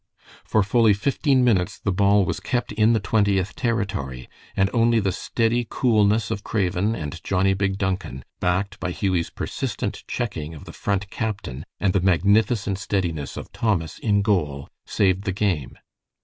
For fully fifteen minutes the ball was kept in the Twentieth territory, and only the steady coolness of Craven and Johnnie Big Duncan, backed by Hughie's persistent checking of the Front captain and the magnificent steadiness of Thomas in goal, saved the game.